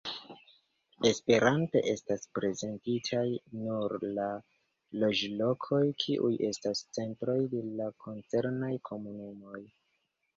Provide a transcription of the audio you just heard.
Esperante estas prezentitaj nur la loĝlokoj, kiuj estas centroj de la koncernaj komunumoj.